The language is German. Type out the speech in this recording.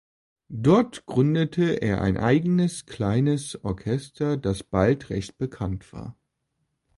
Dort gründete er ein eigenes kleines Orchester, das bald recht bekannt war.